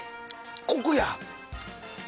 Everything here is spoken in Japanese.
コクや。